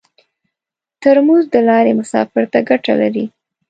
ترموز د لارې مسافر ته ګټه لري.